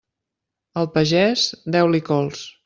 Al pagès, deu-li cols.